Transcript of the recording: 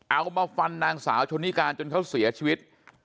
เอามาฟันนางสาวชนนิการจนเขาเสียชีวิต